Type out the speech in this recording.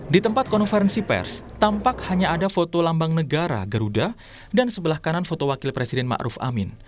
di tempat konferensi pers tampak hanya ada foto lambang negara garuda dan sebelah kanan foto wakil presiden ⁇ maruf ⁇ amin